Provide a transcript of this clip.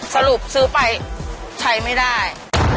สรุปซื้อไปใช้ไม่ได้